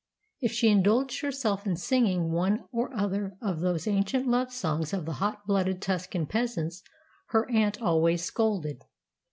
If she indulged herself in singing one or other of those ancient love songs of the hot blooded Tuscan peasants her aunt always scolded.